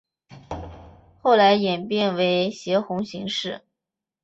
后来演变为斜红型式。